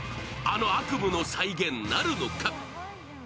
あの悪夢の再現なるのか？